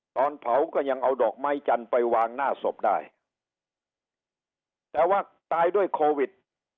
ตอนเผาก็ยังเอาดอกไม้จันทร์ไปวางหน้าศพได้แต่ว่าตายด้วยโควิด